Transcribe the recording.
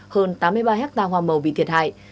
hơn tám mươi ba hectare hoa màu bị thiệt hại